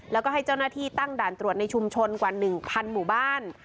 แล้วก็ให้เจ้าหน้าที่ตั้งด่านตรวจในชุมชนกว่า๑๐๐หมู่บ้าน